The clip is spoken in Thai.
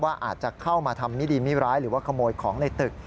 อาจจะเข้ามาทำมิดีมิร้ายหรือว่าขโมยของในตึก